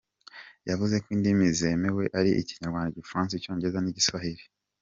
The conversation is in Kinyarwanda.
Yavuze ko Indimi zemewe ari Ikinyarwanda, Igifaransa, icyongereza n’Igiswahili.